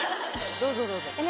どうぞどうぞ。